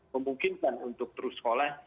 memungkinkan untuk terus sekolah